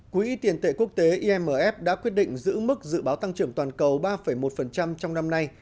quỹ tiền tệ quốc tế imf đã quyết định giữ mức dự báo tăng trưởng toàn cầu ba một trong năm nay